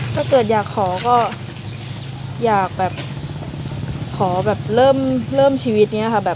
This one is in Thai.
ถ้าเกิดอยากขอก็อยากขอเริ่มชีวิต